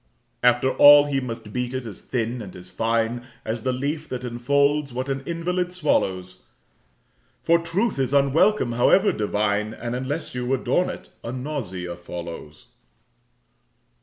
After all he must beat it as thin and as fine As the leaf that enfolds what an invalid swallows, For truth is unwelcome, however divine, And unless you adorn it, a nausea follows.